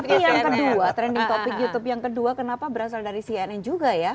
tapi yang kedua trending topic youtube yang kedua kenapa berasal dari cnn juga ya